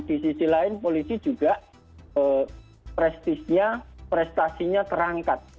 di sisi lain polisi juga prestisnya prestasinya terangkat